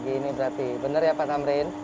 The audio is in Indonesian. gini berarti bener ya pak tamrin